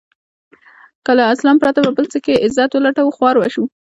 که له اسلام پرته په بل څه کې عزت و لټوو خوار به شو.